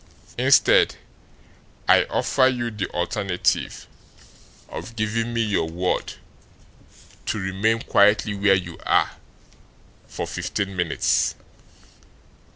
Instead, I offer you the alternative of giving me your word to remain quietly where you are for fifteen minutes."